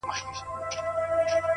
ګوندي خدای مو سي پر مېنه مهربانه!